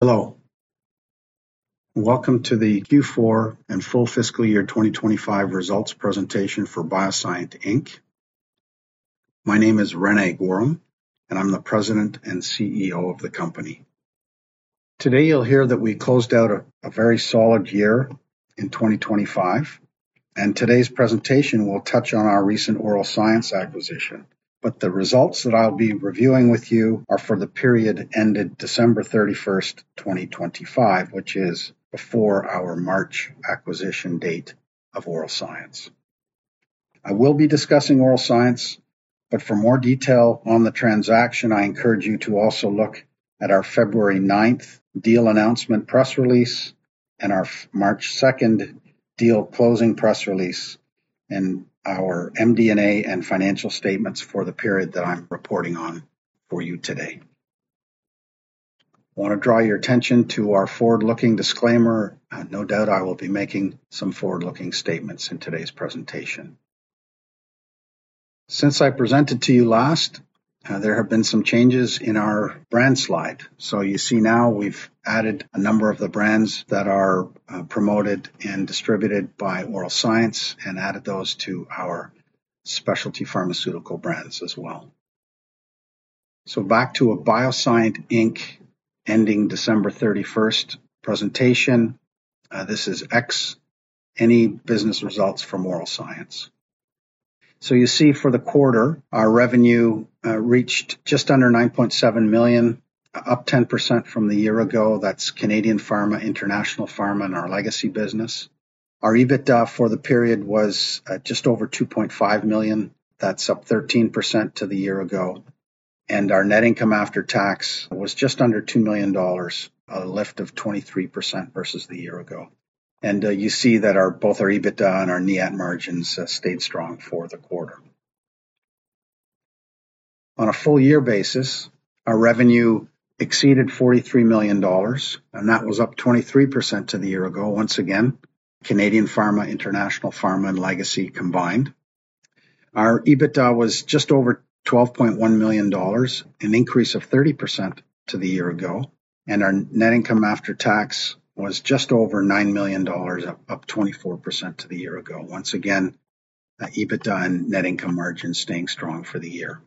Hello, and welcome to the Q4 and full fiscal year 2025 results presentation for BioSyent Inc. My name is René Goehrum, and I'm the President and CEO of the company. Today, you'll hear that we closed out a very solid year in 2025, and today's presentation will touch on our recent Oral Science acquisition. The results that I'll be reviewing with you are for the period ended December 31st, 2025, which is before our March acquisition date of Oral Science. I will be discussing Oral Science, but for more detail on the transaction, I encourage you to also look at our February 9th deal announcement press release and our March 2nd deal closing press release and our MD&A and financial statements for the period that I'm reporting on for you today. Wanna draw your attention to our forward-looking disclaimer. No doubt, I will be making some forward-looking statements in today's presentation. Since I presented to you last, there have been some changes in our brand slide. You see now we've added a number of the brands that are promoted and distributed by Oral Science and added those to our specialty pharmaceutical brands as well. Back to a BioSyent Inc, ending December 31st presentation. This is excluding any business results from Oral Science. You see for the quarter, our revenue reached just under 9.7 million, up 10% from the year ago. That's Canadian pharma, international pharma, and our legacy business. Our EBITDA for the period was just over 2.5 million. That's up 13% from the year ago. Our net income after tax was just under 2 million dollars, a lift of 23% versus the year ago. And you see that our, both our EBITDA and our NIAT margins stayed strong for the quarter. On a full year basis, our revenue exceeded 43 million dollars, and that was up 23% to the year ago. Once again, Canadian pharma, international pharma, and legacy combined. Our EBITDA was just over 12.1 million dollars, an increase of 30% to the year ago, and our net income after tax was just over 9 million dollars, up 24% to the year ago. Once again, EBITDA and net income margins staying strong for the year.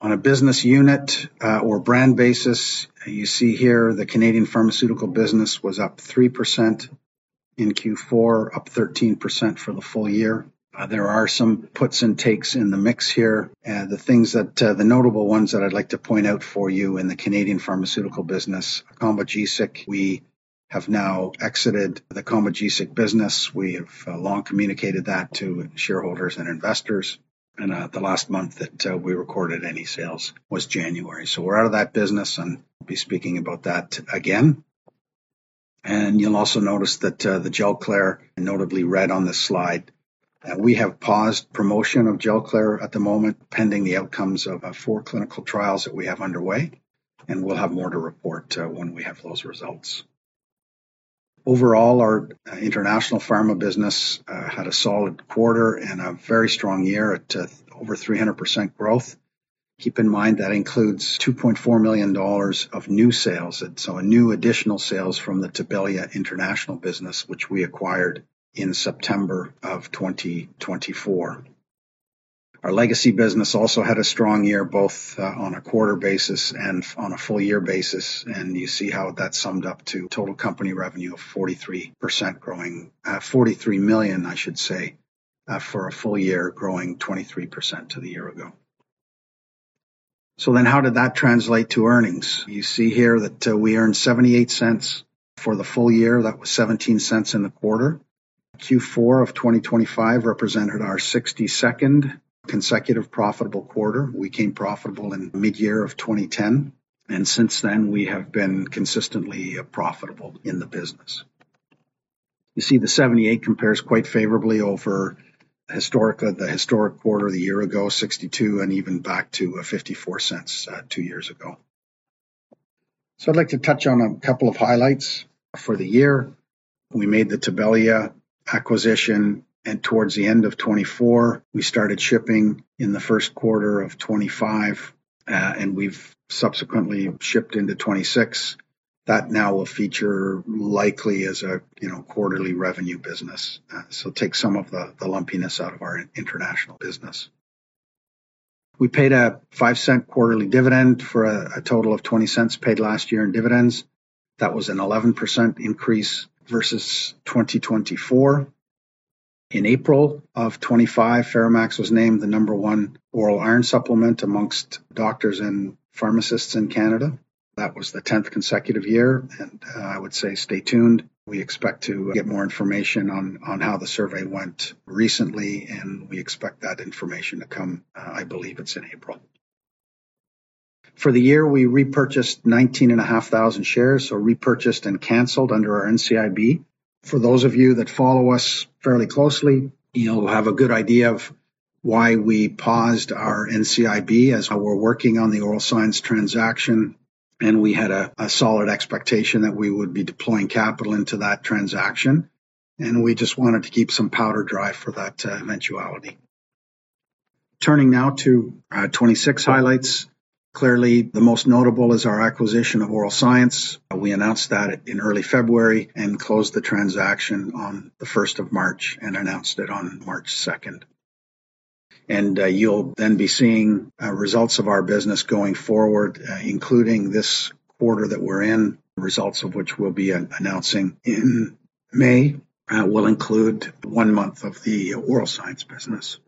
On a business unit or brand basis, you see here the Canadian pharmaceutical business was up 3% in Q4, up 13% for the full year. There are some puts and takes in the mix here. The notable ones that I'd like to point out for you in the Canadian pharmaceutical business, Combogesic. We have now exited the Combogesic business. We have long communicated that to shareholders and investors. The last month that we recorded any sales was January. We're out of that business and we'll be speaking about that again. You'll also notice that the Gelclair, notably, right on this slide. We have paused promotion of Gelclair at the moment, pending the outcomes of four clinical trials that we have underway, and we'll have more to report when we have those results. Overall, our international pharma business had a solid quarter and a very strong year at over 300% growth. Keep in mind that includesCAD 2.4 million of new sales. New additional sales from the Tibelia international business, which we acquired in September of 2024. Our legacy business also had a strong year, both on a quarter basis and on a full year basis, and you see how that summed up to total company revenue of 43 million, I should say, for a full year growing 23% to the year ago. How did that translate to earnings? You see here that we earned 0.78 for the full year. That was 0.17 in the quarter. Q4 of 2025 represented our 62nd consecutive profitable quarter. We became profitable in mid-year of 2010, and since then, we have been consistently profitable in the business. You see the 0.78 compares quite favorably over historically, the historic quarter of the year ago, 0.62, and even back to a 0.54, two years ago. I'd like to touch on a couple of highlights for the year. We made the Tibelia acquisition, and towards the end of 2024, we started shipping in the first quarter of 2025, and we've subsequently shipped into 2026. That now will feature likely as a, you know, quarterly revenue business. So take some of the lumpiness out of our international business. We paid a 0.05 quarterly dividend for a total of 0.20 paid last year in dividends. That was an 11% increase versus 2024. In April of 2025, FeraMAX was named the number one oral iron supplement amongst doctors and pharmacists in Canada. That was the 10th consecutive year, and I would say stay tuned. We expect to get more information on how the survey went recently, and we expect that information to come, I believe it's in April. For the year, we repurchased 19,500 shares or repurchased and canceled under our NCIB. For those of you that follow us fairly closely, you'll have a good idea of why we paused our NCIB as we're working on the Oral Science transaction, and we had a solid expectation that we would be deploying capital into that transaction. We just wanted to keep some powder dry for that eventuality. Turning now to 2026 highlights. Clearly, the most notable is our acquisition of Oral Science. We announced that in early February and closed the transaction on the first of March and announced it on March 2nd. You'll then be seeing results of our business going forward, including this quarter that we're in, results of which we'll be announcing in May, will include one month of the Oral Science business.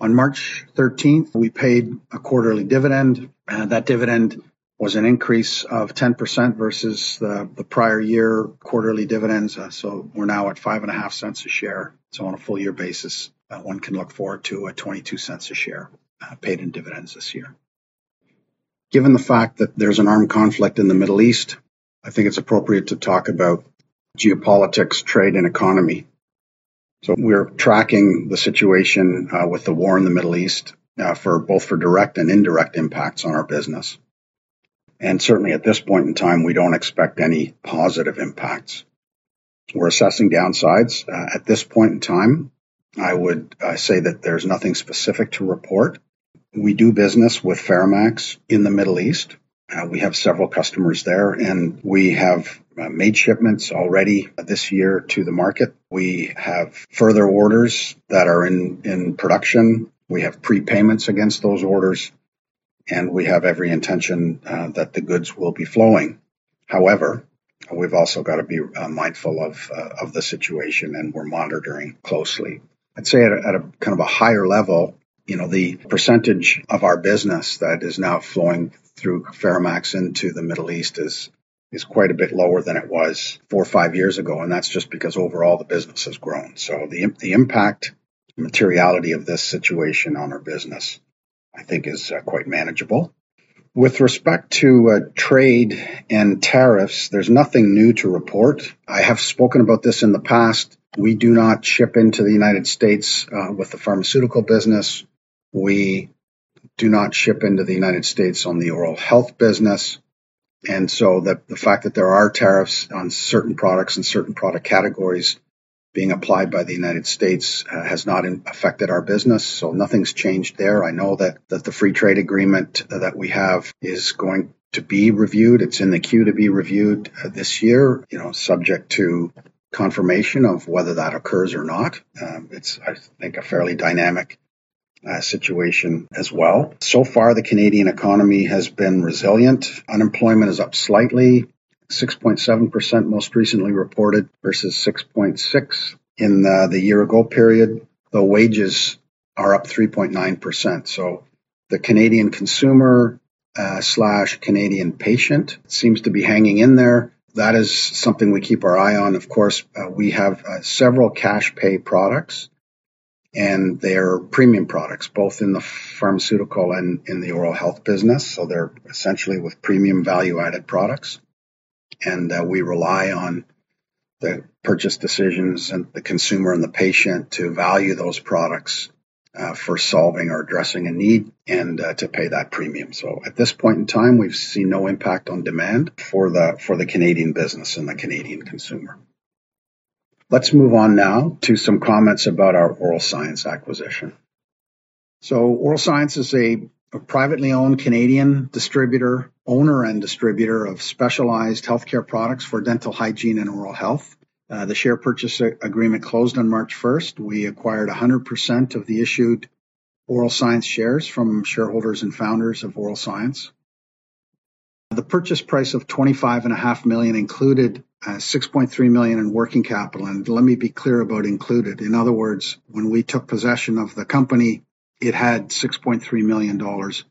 On March 13th, we paid a quarterly dividend, and that dividend was an increase of 10% versus the prior year quarterly dividends. We're now at 0.055 a share. On a full year basis, one can look forward to 0.22 a share paid in dividends this year. Given the fact that there's an armed conflict in the Middle East, I think it's appropriate to talk about geopolitics, trade, and economy. We're tracking the situation with the war in the Middle East for both direct and indirect impacts on our business. Certainly, at this point in time, we don't expect any positive impacts. We're assessing downsides. At this point in time, I would say that there's nothing specific to report. We do business with FeraMAX in the Middle East. We have several customers there, and we have made shipments already this year to the market. We have further orders that are in production. We have prepayments against those orders, and we have every intention that the goods will be flowing. However, we've also got to be mindful of the situation, and we're monitoring closely. I'd say at a kind of a higher level, you know, the percentage of our business that is now flowing through FeraMAX into the Middle East is quite a bit lower than it was four or five years ago, and that's just because overall the business has grown. The impact, materiality of this situation on our business, I think is quite manageable. With respect to trade and tariffs, there's nothing new to report. I have spoken about this in the past. We do not ship into the United States with the pharmaceutical business. We do not ship into the United States on the Oral Health business. The fact that there are tariffs on certain products and certain product categories being applied by the United States has not affected our business, so nothing's changed there. I know that the free trade agreement that we have is going to be reviewed. It's in the queue to be reviewed this year, you know, subject to confirmation of whether that occurs or not. It's, I think, a fairly dynamic situation as well. So far, the Canadian economy has been resilient. Unemployment is up slightly, 6.7% most recently reported versus 6.6% in the year ago period. The wages are up 3.9%. The Canadian consumer/Canadian patient seems to be hanging in there. That is something we keep our eye on. Of course, we have several cash pay products, and they are premium products, both in the pharmaceutical and in the oral health business, so they're essentially with premium value-added products. We rely on the purchase decisions and the consumer and the patient to value those products, for solving or addressing a need and, to pay that premium. At this point in time, we've seen no impact on demand for the Canadian business and the Canadian consumer. Let's move on now to some comments about our Oral Science acquisition. Oral Science is a privately owned Canadian distributor, owner and distributor of specialized healthcare products for dental hygiene and oral health. The Share Purchase Agreement closed on March 1st. We acquired 100% of the issued Oral Science shares from shareholders and founders of Oral Science. The purchase price of 25.5 million included 6.3 million in working capital, and let me be clear about included. In other words, when we took possession of the company, it had 6.3 million dollars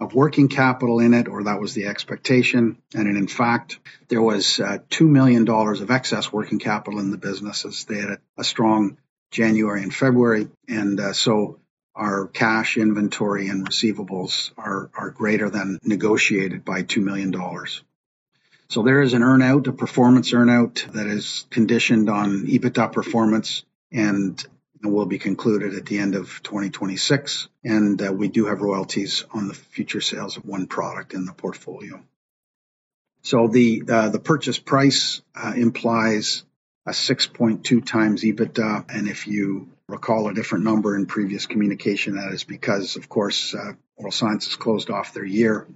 of working capital in it, or that was the expectation. In fact, there was 2 million dollars of excess working capital in the business as they had a strong January and February. Our cash inventory and receivables are greater than negotiated by $2 million. There is an earn-out, a performance earn-out that is conditioned on EBITDA performance and will be concluded at the end of 2026. We do have royalties on the future sales of one product in the portfolio. The purchase price implies a 6.2x EBITDA, and if you recall a different number in previous communication, that is because, of course, Oral Science has closed off their year,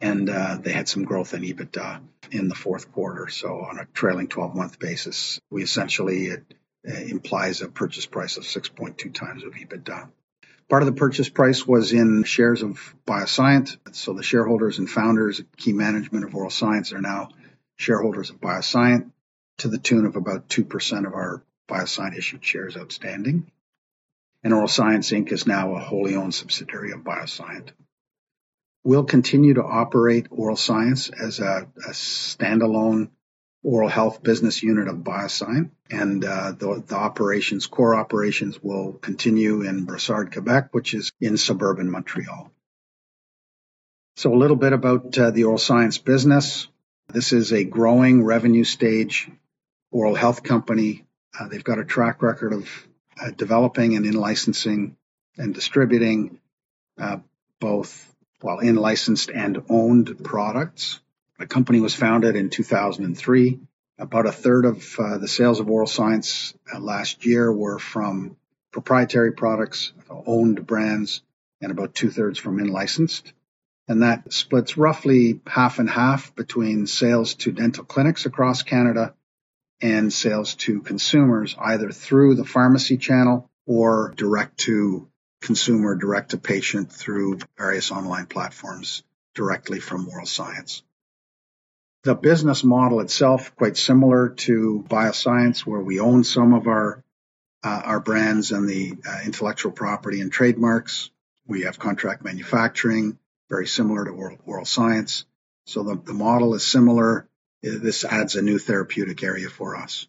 and they had some growth in EBITDA in the fourth quarter. On a trailing 12-month basis, it implies a purchase price of 6.2x EBITDA. Part of the purchase price was in shares of BioSyent. The shareholders and founders and key management of Oral Science are now shareholders of BioSyent to the tune of about 2% of our BioSyent issued shares outstanding. Oral Science Inc is now a wholly owned subsidiary of BioSyent. We'll continue to operate Oral Science as a standalone oral health business unit of BioSyent, and the core operations will continue in Brossard, Quebec, which is in suburban Montreal. A little bit about the Oral Science business. This is a growing revenue stage oral health company. They've got a track record of developing and in-licensing and distributing both in-licensed and owned products. The company was founded in 2003. About 1/3 of the sales of Oral Science last year were from proprietary products, owned brands, and about 2/3 from in-licensed. That splits roughly half and half between sales to dental clinics across Canada and sales to consumers, either through the pharmacy channel or direct to consumer, direct to patient through various online platforms directly from Oral Science. The business model itself quite similar to BioSyent, where we own some of our brands and the intellectual property and trademarks. We have contract manufacturing very similar to Oral Science. The model is similar. This adds a new therapeutic area for us.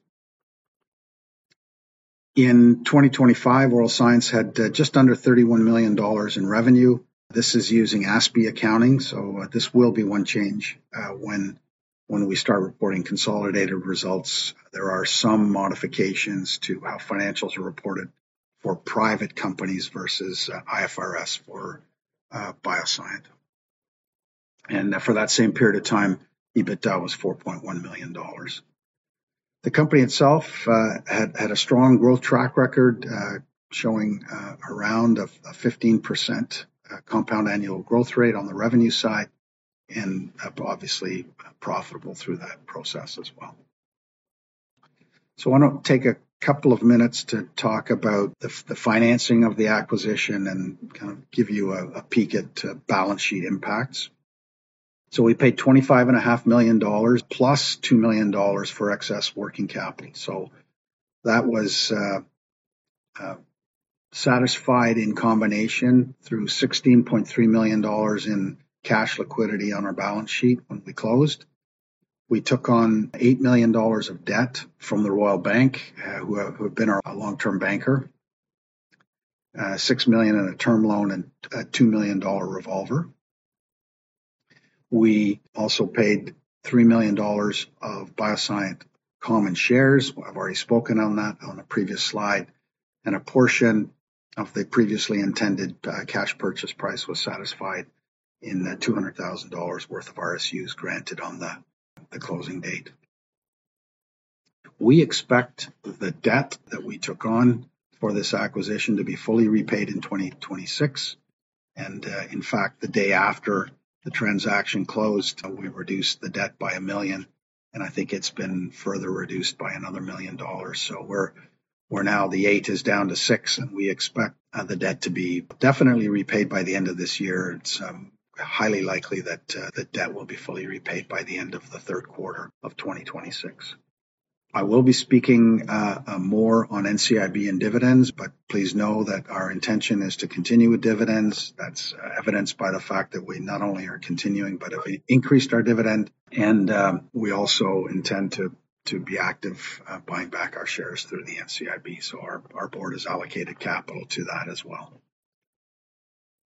In 2025, Oral Science had just under 31 million dollars in revenue. This is using ASPE accounting, so this will be one change when we start reporting consolidated results. There are some modifications to how financials are reported for private companies versus IFRS for BioSyent. For that same period of time, EBITDA was 4.1 million dollars. The company itself had a strong growth track record showing around a 15% compound annual growth rate on the revenue side, and obviously profitable through that process as well. I wanna take a couple of minutes to talk about the financing of the acquisition and kind of give you a peek at balance sheet impacts. We $CAD 25.5 million + 2 million dollars for excess working capital. That was satisfied in combination through $16.3 million in cash liquidity on our balance sheet when we closed. We took on 8 million dollars of debt from the Royal Bank, who have been our long-term banker. 6 million in a term loan and a 2 million dollar revolver. We also paid 3 million dollars of BioSyent common shares. I've already spoken on that on a previous slide. A portion of the previously intended cash purchase price was satisfied in the $200,000 worth of RSUs granted on the closing date. We expect the debt that we took on for this acquisition to be fully repaid in 2026. In fact, the day after the transaction closed, we reduced the debt by 1 million, and I think it's been further reduced by another $1 million. We're now the 8 million is down to 6 million, and we expect the debt to be definitely repaid by the end of this year. It's highly likely that the debt will be fully repaid by the end of the third quarter of 2026. I will be speaking more on NCIB and dividends, but please know that our intention is to continue with dividends. That's evidenced by the fact that we not only are continuing, but have increased our dividend and we also intend to be active buying back our shares through the NCIB. Our board has allocated capital to that as well.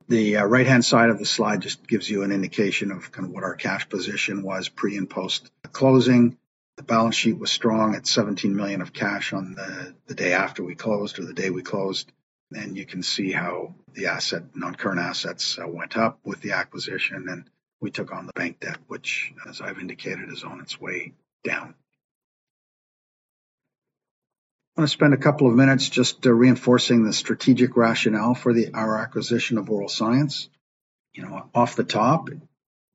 The right-hand side of the slide just gives you an indication of kind of what our cash position was pre and post closing. The balance sheet was strong at 17 million of cash on the day after we closed or the day we closed, and you can see how the non-current assets went up with the acquisition, and we took on the bank debt, which as I've indicated, is on its way down. I'm gonna spend a couple of minutes just reinforcing the strategic rationale for our acquisition of Oral Science. You know, off the top,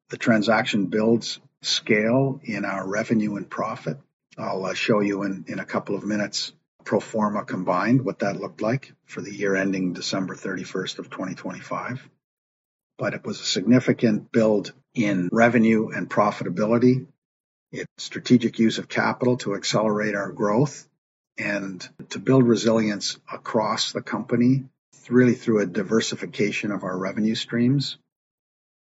the transaction builds scale in our revenue and profit. I'll show you in a couple of minutes pro forma combined, what that looked like for the year ending December 31st, 2025. It was a significant build in revenue and profitability. Strategic use of capital to accelerate our growth and to build resilience across the company through a diversification of our revenue streams.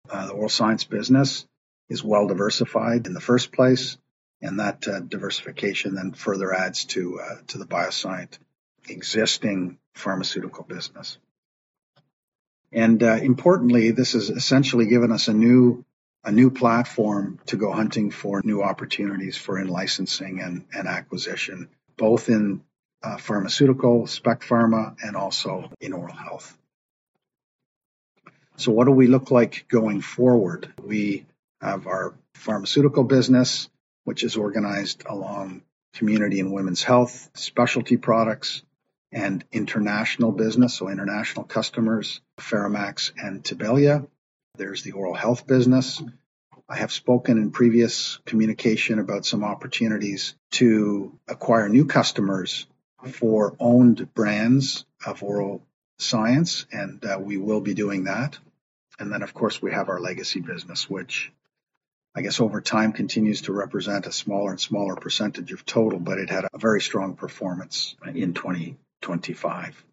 The Oral Science business is well diversified in the first place, and that diversification then further adds to the BioSyent existing pharmaceutical business. Importantly, this has essentially given us a new platform to go hunting for new opportunities for in-licensing and acquisition, both in Pharmaceutical, Spec Pharma, and also in Oral Health. What do we look like going forward? We have our pharmaceutical business, which is organized along community and women's health, specialty products, and international business. International customers, FeraMAX, and Tibelia. There's the oral health business. I have spoken in previous communication about some opportunities to acquire new customers for owned brands of Oral Science, and we will be doing that. Then, of course, we have our legacy business, which I guess over time continues to represent a smaller and smaller percentage of total, but it had a very strong performance in 2025.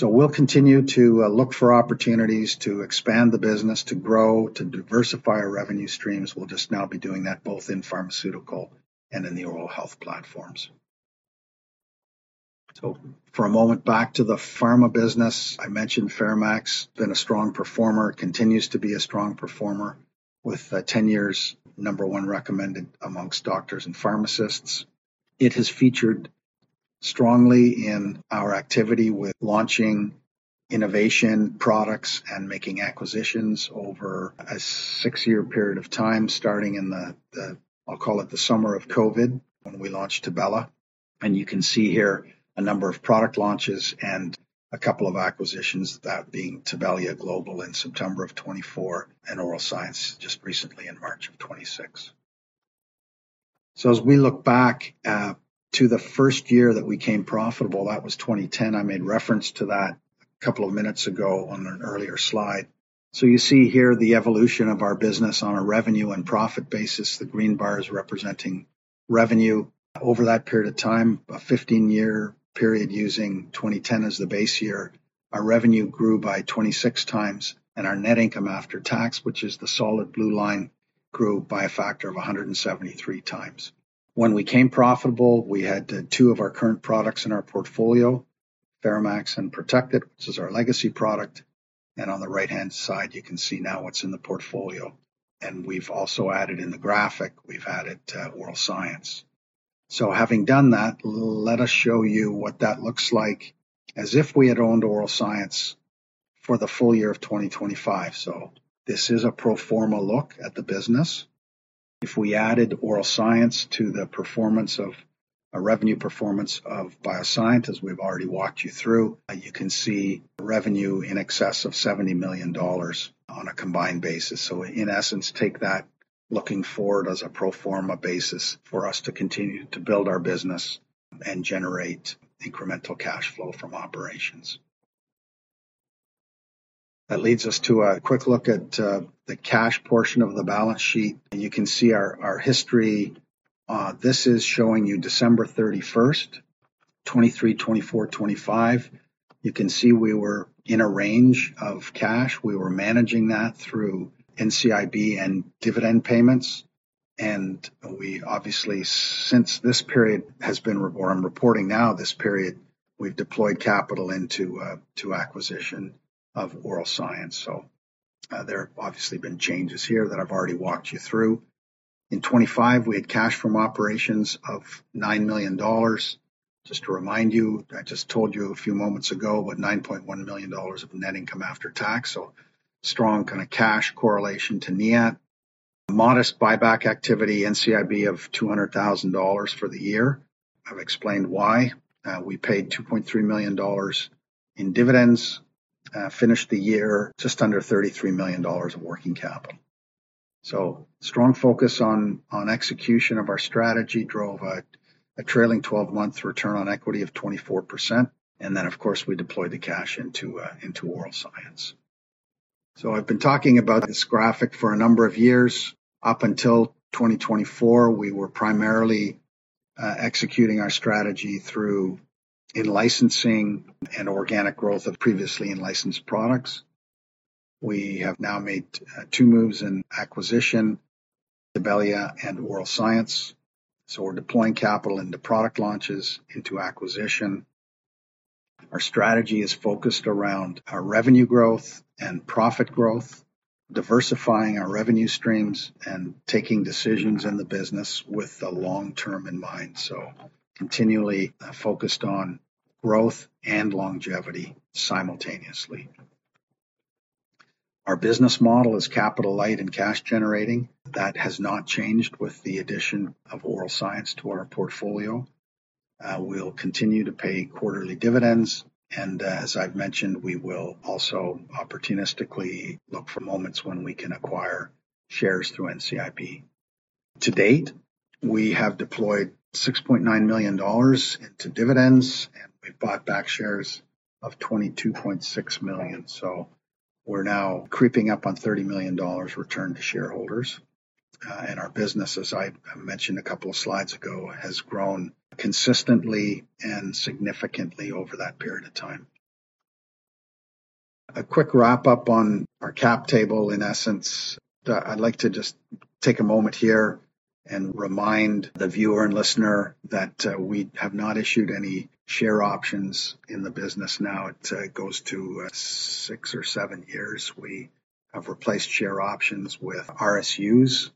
We'll continue to look for opportunities to expand the business, to grow, to diversify our revenue streams. We'll just now be doing that both in pharmaceutical and in the oral health platforms. For a moment, back to the pharma business. I mentioned FeraMAX, been a strong performer, continues to be a strong performer with 10 years number one recommended amongst doctors and pharmacists. It has featured strongly in our activity with launching innovation products and making acquisitions over a six-year period of time, starting in, I'll call it, the summer of COVID, when we launched Tibella. You can see here a number of product launches and a couple of acquisitions, that being Tibelia Global in September of 2024 and Oral Science just recently in March of 2026. As we look back to the first year that we became profitable, that was 2010. I made reference to that a couple of minutes ago on an earlier slide. You see here the evolution of our business on a revenue and profit basis, the green bar is representing revenue. Over that period of time, a 15-year period using 2010 as the base year, our revenue grew by 26x, and our net income after tax, which is the solid blue line, grew by a factor of 173x. When we became profitable, we had two of our current products in our portfolio, FeraMAX and Protect-It, which is our legacy product. On the right-hand side, you can see now what's in the portfolio. We've also added in the graphic Oral Science. Having done that, let us show you what that looks like as if we had owned Oral Science for the full year of 2025. This is a pro forma look at the business. If we added Oral Science to the performance of a revenue performance of BioSyent, as we've already walked you through, you can see revenue in excess of 70 million dollars on a combined basis. In essence, take that looking forward as a pro forma basis for us to continue to build our business and generate incremental cash flow from operations. That leads us to a quick look at the cash portion of the balance sheet, and you can see our history. This is showing you December 31st, 2023, 2024, 2025. You can see we were in a range of cash. We were managing that through NCIB and dividend payments. We obviously, since this period has been or I'm reporting now this period, we've deployed capital into the acquisition of Oral Science. There have obviously been changes here that I've already walked you through. In 2025, we had cash from operations of $9 million. Just to remind you, I just told you a few moments ago, with $9.1 million of net income after tax. Strong kind of cash correlation to NIAT. Modest buyback activity NCIB of 200,000 dollars for the year. I've explained why. We paid $2.3 million in dividends. Finished the year just under 33 million dollars of working capital. Strong focus on execution of our strategy drove a trailing 12-month return on equity of 24%, and then, of course, we deployed the cash into Oral Science. I've been talking about this graphic for a number of years. Up until 2024, we were primarily executing our strategy through in-licensing and organic growth of previously in-licensed products. We have now made two moves in acquisition, Tibelia and Oral Science. We're deploying capital into product launches, into acquisition. Our strategy is focused around our revenue growth and profit growth, diversifying our revenue streams, and taking decisions in the business with the long term in mind. Continually focused on growth and longevity simultaneously. Our business model is capital light and cash generating. That has not changed with the addition of Oral Science to our portfolio. We'll continue to pay quarterly dividends, and as I've mentioned, we will also opportunistically look for moments when we can acquire shares through NCIB. To date, we have deployed $6.9 million into dividends, and we bought back shares of 22.6 million. We're now creeping up on 30 million dollars return to shareholders. Our business, as I mentioned a couple of slides ago, has grown consistently and significantly over that period of time. A quick wrap-up on our cap table. In essence, I'd like to just take a moment here and remind the viewer and listener that we have not issued any share options in the business now. It goes to six or seven years. We have replaced share options with RSUs,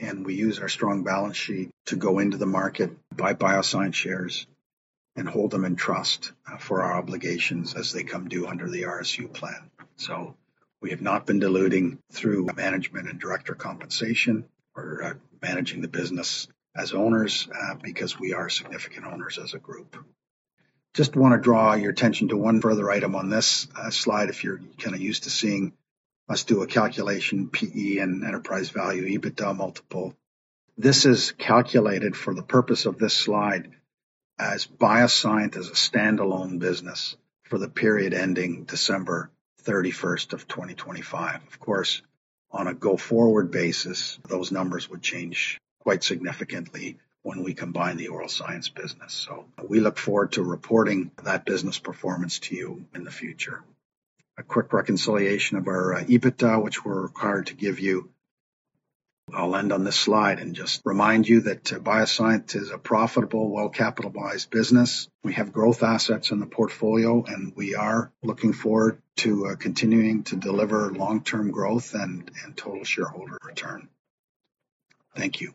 and we use our strong balance sheet to go into the market, buy BioSyent shares, and hold them in trust, for our obligations as they come due under the RSU plan. We have not been diluting through management and director compensation. We're managing the business as owners, because we are significant owners as a group. Just wanna draw your attention to one further item on this, slide if you're kinda used to seeing us do a calculation, P/E and enterprise value, EBITDA multiple. This is calculated for the purpose of this slide as BioSyent as a standalone business for the period ending December 31st, 2025. Of course, on a go-forward basis, those numbers would change quite significantly when we combine the Oral Science business. We look forward to reporting that business performance to you in the future. A quick reconciliation of our EBITDA, which we're required to give you. I'll end on this slide and just remind you that BioSyent is a profitable, well-capitalized business. We have growth assets in the portfolio, and we are looking forward to continuing to deliver long-term growth and total shareholder return. Thank you.